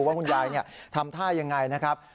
ว่าคุณยายทำท่ายังไงนะครับ